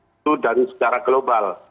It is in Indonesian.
itu dari secara global